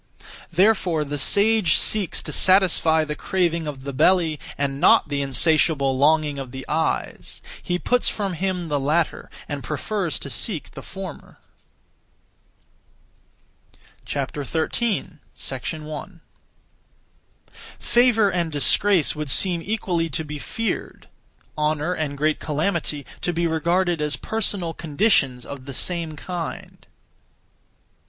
Therefore the sage seeks to satisfy (the craving of) the belly, and not the (insatiable longing of the) eyes. He puts from him the latter, and prefers to seek the former. 13. 1. Favour and disgrace would seem equally to be feared; honour and great calamity, to be regarded as personal conditions (of the same kind).